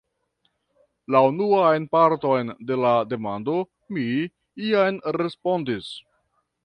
La unuan parton de la demando mi jam respondis.